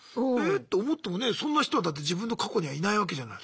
そんな人はだって自分の過去にはいないわけじゃない？